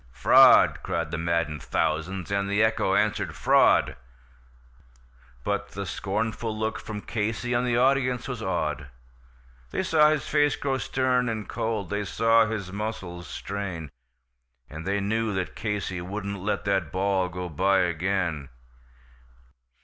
"Fraud!" cried the maddened thousands, and the echo answered, "Fraud!" But the scornful look from Casey, and the audience was awed; They saw his face grow stern and cold, they saw his muscles strain, And they knew that Casey wouldn't let that ball go by again.